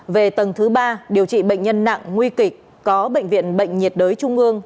về tầng thứ ba điều trị bệnh nhân nặng nguy kịch có bệnh viện bệnh nhiệt đới trung ương